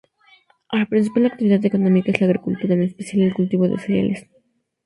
La principal actividad económica es la agricultura, en especial el cultivo de cereales.